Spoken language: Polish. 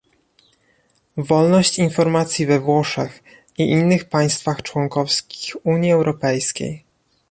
Wolność informacji we Włoszech i innych państwach członkowskich Unii Europejskiej